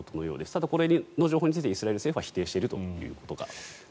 ただ、この情報についてイスラエル政府は否定しているということです。